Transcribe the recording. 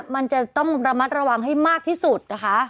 มันจะต้องระมัดระวังให้มากที่สุดนะคะ